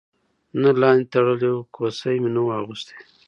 نه لاندې تړلی و، کوسۍ مې نه وه اغوستې.